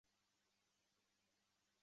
魏德林签署了用无线电宣布的命令。